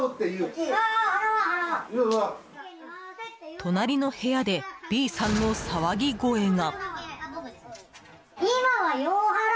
隣の部屋でＢさんの騒ぎ声が。